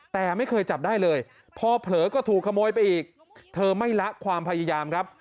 แต่ไม่เคยจับได้เลยพอเผลอก็ถูกขโมยไปอีกเธอไม่ละความพยายามครับ